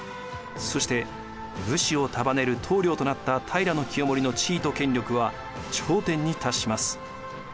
そして武士を束ねる棟梁となった平清盛の地位と権力は頂点に達します。